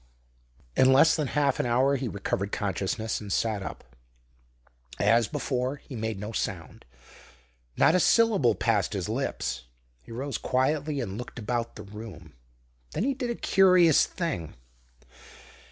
In less than half an hour he recovered consciousness and sat up. As before, he made no sound. Not a syllable passed his lips. He rose quietly and looked about the room. Then he did a curious thing.